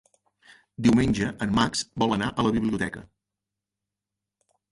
Diumenge en Max vol anar a la biblioteca.